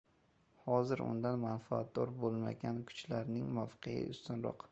Hozir undan manfaatdor bo‘lmagan kuchlarning mavqei ustunroq.